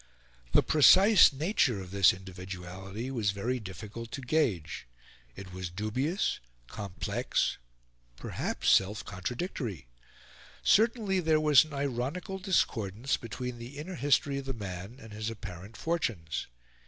The precise nature of this individuality was very difficult to gauge: it was dubious, complex, perhaps self contradictory. Certainly there was an ironical discordance between the inner history of the man and his apparent fortunes.